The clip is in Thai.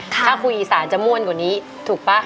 ถ้าคุยอีสานจะม่วนกว่านี้ถูกป่ะ